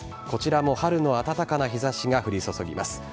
こちらも春の暖かな日差しが降り注ぎます。